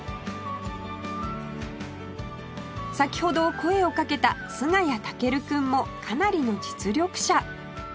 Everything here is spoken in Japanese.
先ほど声をかけた菅谷武琉くんもかなりの実力者